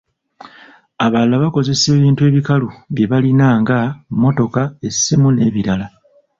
Abalala bakozesa ebintu ebikalu bye balina nga, mmotoka, essimu n'ebirala.